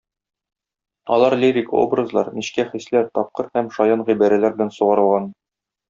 Алар лирик образлар, нечкә хисләр, тапкыр һәм шаян гыйбарәләр белән сугарылган.